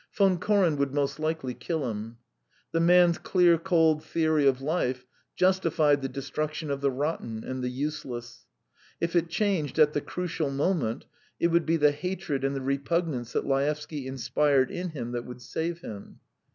Von Koren would most likely kill him. The man's clear, cold theory of life justified the destruction of the rotten and the useless; if it changed at the crucial moment, it would be the hatred and the repugnance that Laevsky inspired in him that would save him.